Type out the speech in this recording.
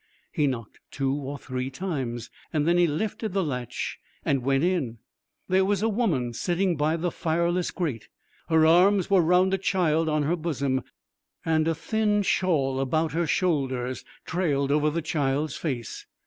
He knocked two or three times. Then he lifted the latch and went in. There was a woman sitting by the fireless grate. Her arms were round a child on her bosom, and a thin shawl about her shoulders trailed over the child's face.